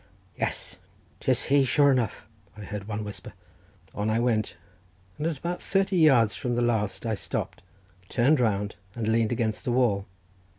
"Yes, 'tis he, sure enough," I heard one whisper. On I went, and at about thirty yards from the last I stopped, turned round, and leaned against the wall.